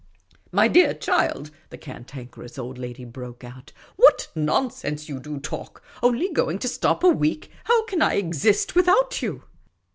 " My dear child," the Cantankerous Old Lady broke out, " what nonsense you do talk ! Only going to .stop a week ? How can I exist without you